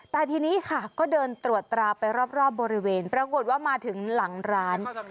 แต่ทีนี้ค่ะก็เดินตรวจตราไปรอบบริเวณปรากฏว่ามาถึงหลังร้าน